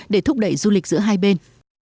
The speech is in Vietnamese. để thúc đẩy du lịch giữa hai bên